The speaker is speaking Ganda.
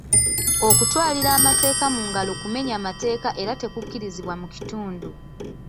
Okutwalira amateeka mu ngalo kumenya mateeka era tekukkirizibwa mu kitundu.